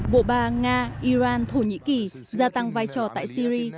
bộ ba nga iran thổ nhĩ kỳ gia tăng vai trò tại syri